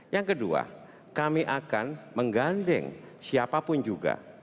yang kedua kami akan menggandeng siapapun juga